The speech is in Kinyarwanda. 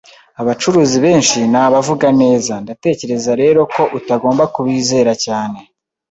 Abacuruzi benshi ni abavuga neza, ndatekereza rero ko utagomba kubizera cyane.